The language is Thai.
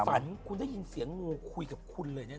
ฝันคุณได้ยินเสียงงูคุยกับคุณเลยเนี่ย